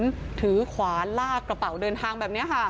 ถือขวานลากกระเป๋าเดินทางแบบนี้ค่ะ